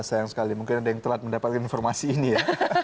sayang sekali mungkin ada yang telat mendapatkan informasi ini ya